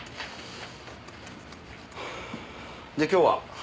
で今日は？